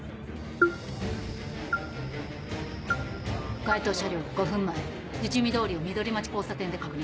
該当車両５分前富士見通りを緑町交差点で確認。